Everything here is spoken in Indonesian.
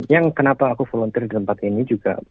yang kenapa aku volunteer di tempat ini juga